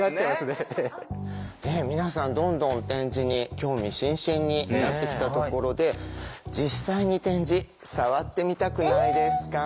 ねえ皆さんどんどん点字に興味津々になってきたところで実際に点字触ってみたくないですか？